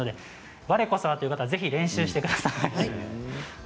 われこそは！という方はぜひ練習をしてみてください。